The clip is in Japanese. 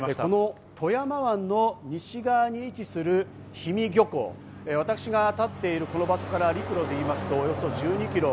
富山湾の西側に位置する氷見漁港、私が立っているこの場所から陸路で言いますとおよそ１２キロ。